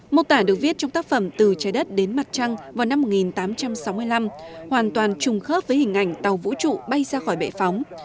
mô tả được viết trong tác phẩm từ trái đất đến mặt trăng vào năm một nghìn tám trăm sáu mươi năm hoàn toàn trùng khớp với hình ảnh tàu vũ trụ bay ra khỏi bệ phóng